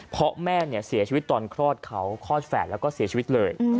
เพราะแม่เนี่ยเสียชีวิตตอนคลอดเขาคลอดแฝดแล้วก็เสียชีวิตเลย